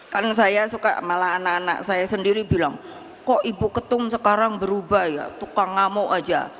karena saya suka malah anak anak saya sendiri bilang kok ibu ketum sekarang berubah ya tukang ngamuk aja